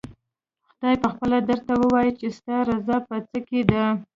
خدای پخپله درته ووايي چې ستا رضا په څه کې ده؟